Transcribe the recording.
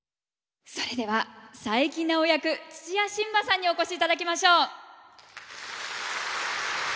それでは佐伯直役土屋神葉さんにお越し頂きましょう！